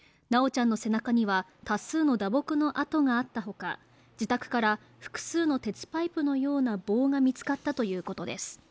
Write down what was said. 修ちゃんの背中には多数の打撲の痕があった他、自宅から複数の鉄パイプのような棒が見つかったということです。